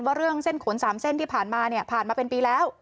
ว่าเรื่องเส้นขน๓เส้นที่ผ่านมาเนี่ยผ่านมาเป็นปีแล้ว